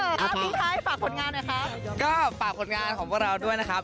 เอ่อที่ไทยฝากผลงานหน่อยนะคะ